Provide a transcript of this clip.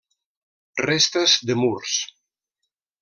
Restes de murs.